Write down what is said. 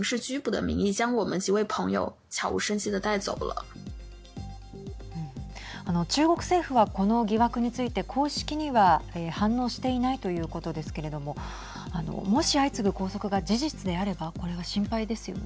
あの、中国政府はこの疑惑について公式には反応していないということですけれどももし相次ぐ拘束が事実であればこれは心配ですよね。